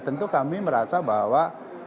tentu kami merasa bahwa